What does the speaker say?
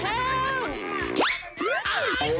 ไกลแล้ว